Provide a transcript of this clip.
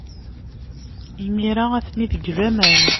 Imir-a, atni deg laman.